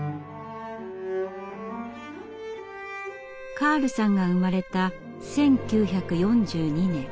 カールさんが生まれた１９４２年。